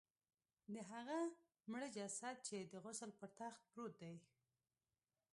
د هغه مړه جسد چې د غسل پر تخت پروت دی.